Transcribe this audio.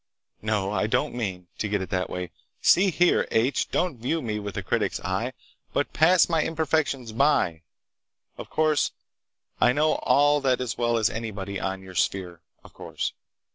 No, I don't mean, to get it that way. 'See here, H, don't view me with a critic's eye, but pass my imperfections by.' Of course, I know all that as well as anybody on your sphere (of course).